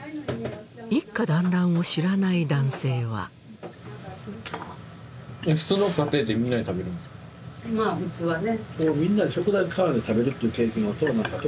一家団らんを知らない男性はまあ普通はね